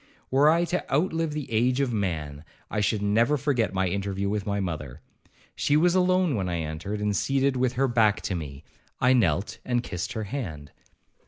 Were I to outlive the age of man, I should never forget my interview with my mother. She was alone when I entered, and seated with her back to me. I knelt and kissed her hand.